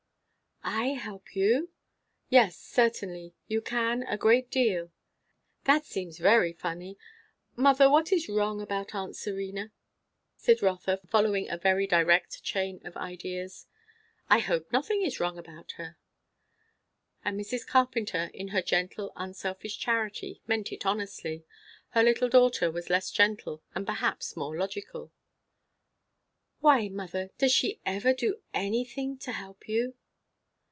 "I help you?" "Yes, certainly. You can, a great deal." "That seems very funny. Mother, what is wrong about aunt Serena?" said Rotha, following a very direct chain of ideas. "I hope nothing is wrong about her." And Mrs. Carpenter, in her gentle, unselfish charity, meant it honestly; her little daughter was less gentle and perhaps more logical. "Why, mother, does she ever do anything to help you?"